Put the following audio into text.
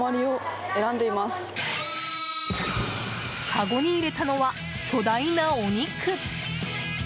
かごに入れたのは、巨大なお肉。